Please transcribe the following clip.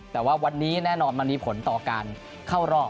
แต่ว่าวันนี้แน่นอนมันมีผลต่อการเข้ารอบ